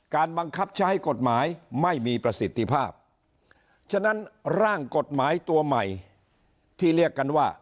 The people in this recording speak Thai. บังคับใช้กฎหมายไม่มีประสิทธิภาพฉะนั้นร่างกฎหมายตัวใหม่ที่เรียกกันว่า